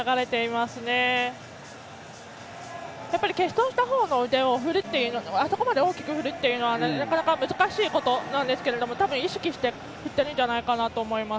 欠損したほうの腕をあそこまで大きく振るのはなかなか難しいことなんですけどたぶん意識して振ってるんじゃないかなと思います。